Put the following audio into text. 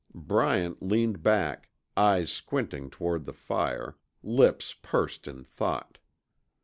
Bryant leaned back, eyes squinting toward the fire, lips pursed in thought.